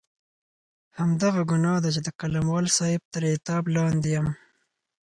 همدغه ګناه ده چې د قلموال صاحب تر عتاب لاندې یم.